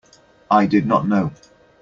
I did not know.